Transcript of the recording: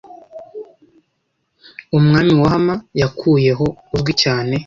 Umwami waHama yakuyeho uzwi cyane